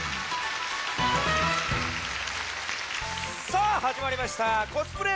さあはじまりました「コスプレ！